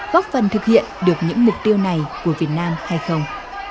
góp phần thực hiện được những mục tiêu này của việt nam hay không